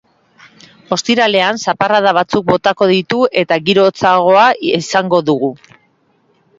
Ostiralean, zaparrada batzuk botako ditu eta giro hotzagoa izango dugu.